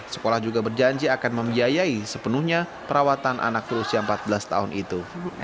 sekolah juga berjanji akan membiayai sepenuhnya perawatan anak berusia empat belas tahun itu